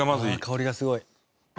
香りがすごい。